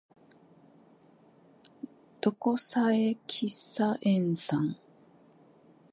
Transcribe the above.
ドコサヘキサエン酸